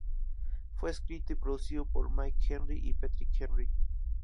Fue escrito y producido por Mike Henry y Patrick Henry.